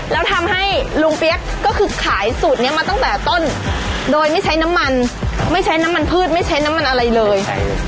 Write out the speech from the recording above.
แล้วทำให้ลุงเปี๊ยกก็คือขายสูตรนี้มาตั้งแต่ต้นโดยไม่ใช้น้ำมันไม่ใช้น้ำมันพืชไม่ใช้น้ำมันอะไรเลย